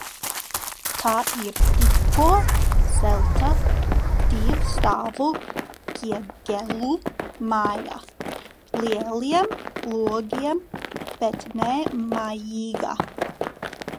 Tā ir tikko celta divstāvu ķieģeļu māja, lieliem logiem, bet nemājīga.